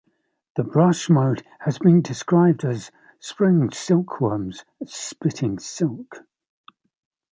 The brush-mode...has been described as 'spring silkworms spitting silk'.